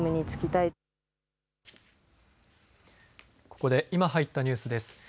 ここで今、入ったニュースです。